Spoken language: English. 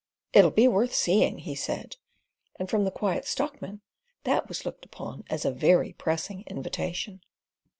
"It'll be worth seeing," he said; and from the Quiet Stockman that was looked upon as a very pressing invitation.